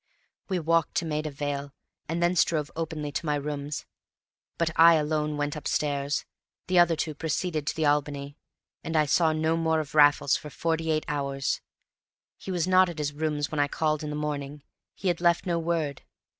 We walked to Maida Vale, and thence drove openly to my rooms. But I alone went upstairs; the other two proceeded to the Albany, and I saw no more of Raffles for forty eight hours. He was not at his rooms when I called in the morning; he had left no word.